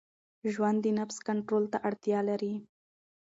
ژوند د نفس کنټرول ته اړتیا لري.